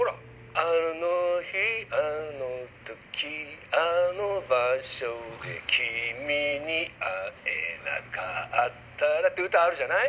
あの日あの時あの場所で君に会えなかったらって歌あるじゃない。